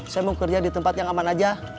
saya mau kerja di tempat yang aman aja